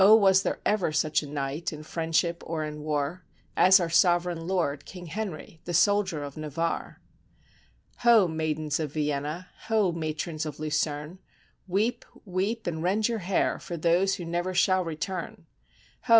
was there ever such a knight, in friendship or in war, As our sovereign lord, King Henry, the soldier of Na varre ! Ho! maidens of Vienna! Ho! matrons of Lucerne! Weep, weep, and rend your hair for those who never shall return: Ho!